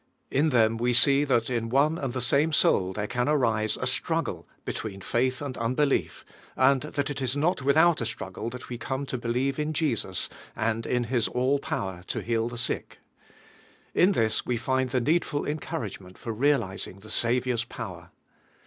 In them we see that in one and the saute sool there can arise a struggle between faith and unbelief, and that it is not without a straggle that we come to believe in Jestts and in Hia all power to heal the sick. Iu this we find the needful] encouragement for realising the Saviour's power.